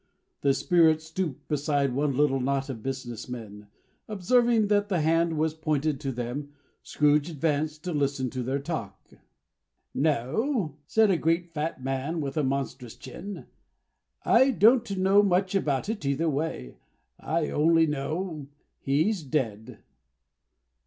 The Spirit stopped beside one little knot of business men. Observing that the hand was pointed to them, Scrooge advanced to listen to their talk. "No," said a great fat man with a monstrous chin, "I don't know much about it either way. I only know he's dead."